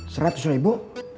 serah itu sama ibu